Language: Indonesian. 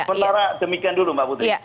sementara demikian dulu mbak putri